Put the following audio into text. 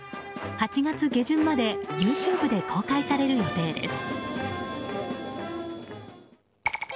８月下旬までＹｏｕＴｕｂｅで公開される予定です。